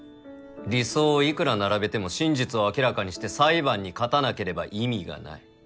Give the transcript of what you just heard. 理想をいくら並べても真実を明らかにして裁判に勝たなければ意味がない。